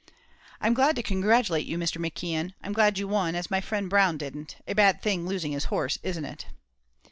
"I'm glad to congratulate you, Mr. McKeon I'm glad you won, as my friend Brown didn't; a bad thing his losing his horse, isn't it?"